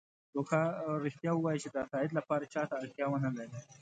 ریښتیا ؤوایه چې د تایید لپاره چا ته اړتیا ونه لری